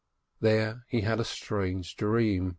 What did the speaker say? There he had a strange dream.